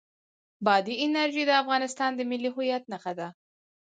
بادي انرژي د افغانستان د ملي هویت نښه ده.